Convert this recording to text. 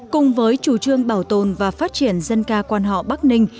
cùng với chủ trương bảo tồn và phát triển dân ca quan họ bắc ninh